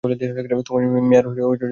মেয়ার, তুমি ঠিক আছো?